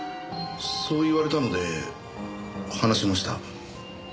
そう言われたので話しました。